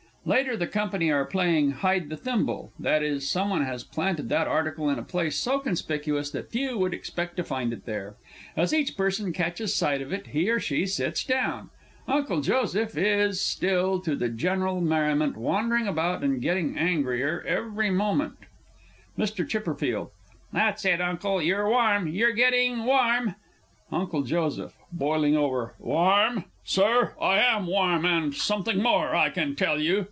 _ [_Later; the Company are playing "Hide the Thimble"; i.e., someone has planted that article in a place so conspicuous that few would expect to find it there. As each person catches sight of it, he or she sits down._ UNCLE JOSEPH is still, to the general merriment, wandering about and getting angrier every moment. MR. C. That's it, Uncle, you're warm you're getting warm! UNCLE J. (boiling over). Warm, Sir? I am warm and something more, I can tell you!